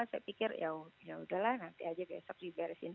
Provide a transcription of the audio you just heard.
saya pikir yaudah lah nanti aja besok diberesin